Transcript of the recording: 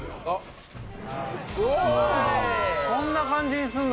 こんな感じにするの？